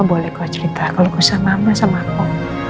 mama boleh kok cerita kalau kusah mama sama aku